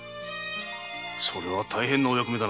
それは大変なお役目だな。